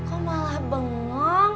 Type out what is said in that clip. kok malah bengong